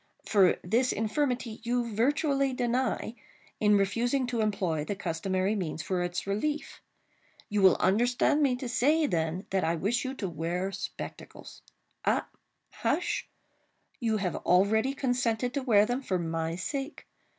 For, this infirmity you virtually deny, in refusing to employ the customary means for its relief. You will understand me to say, then, that I wish you to wear spectacles;—ah, hush!—you have already consented to wear them, for my sake.